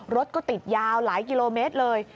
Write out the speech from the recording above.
รถก็ติดยาวหลายกิโลเมตรเลย